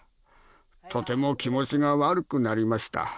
とても気持ちが悪くなりました